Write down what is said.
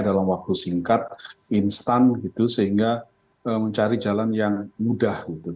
dalam waktu singkat instan sehingga mencari jalan yang mudah